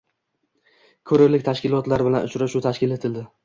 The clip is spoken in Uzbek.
Kurerlik tashkilotlari bilan uchrashuv tashkil etildi